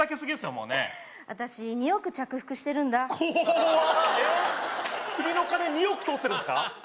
もうねえ私２億着服してるんだこわっえっ国の金２億取ってるんですか？